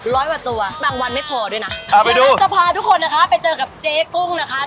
ร้อยกว่าตัวบางวันไม่พอด้วยนะจะพาทุกคนไปเจอกับเจ๊กุ้งนะคะ